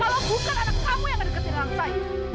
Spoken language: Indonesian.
kalau bukan anak kamu yang mendekati anak saya